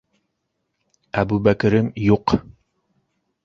Әбүбәкерем юҡ!